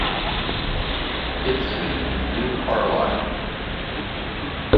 Its seat is New Carlisle.